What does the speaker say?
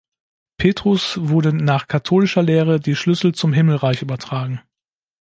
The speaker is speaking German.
Petrus wurden nach katholischer Lehre die Schlüssel zum Himmelreich übertragen.